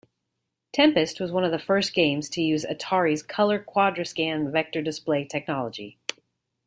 "Tempest" was one of the first games to use Atari's Color-QuadraScan vector display technology.